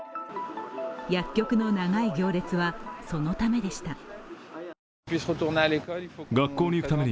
薬局の長い行列はそのためでした。